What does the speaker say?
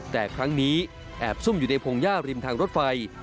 แต่ครั้งนี้แอบซุ่มอยู่ในพงหญ้าริมทางรถไฟ